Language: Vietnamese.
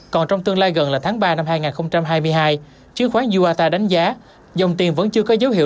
còn trong tương lai gần là tháng ba năm hai nghìn hai mươi hai chứng khoán uata đánh giá dòng tiền vẫn chưa có dấu hiệu